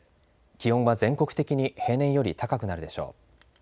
気温は全国的に平年より高くなるでしょう。